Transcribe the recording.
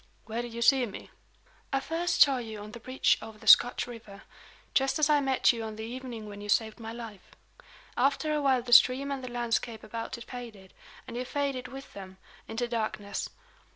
"Where did you see me?" "I first saw you on the bridge over the Scotch river just as I met you on the evening when you saved my life. After a while the stream and the landscape about it faded, and you faded with them, into darkness.